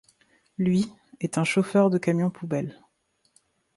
Lui, est un chauffeur de camion-poubelle.